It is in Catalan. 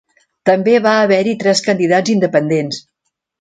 També va haver-hi tres candidats independents.